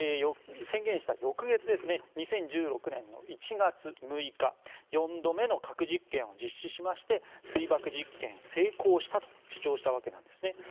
宣言した翌月２０１６年の１月６日４度目の核実験を実施しまして水爆実験が成功したと主張したわけなんですね。